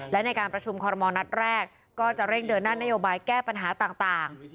และในการประชุมคอรมอลนัดแรกก็จะเร่งเดินหน้านโยบายแก้ปัญหาต่าง